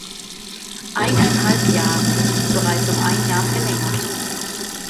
Eineinhalb Jahre, bereits um ein Jahr verlängert!